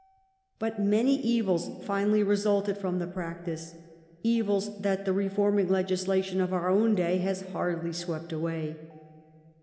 But many evils finally resulted from the practice, evils that the reforming legislation of our own day has hardly swept away.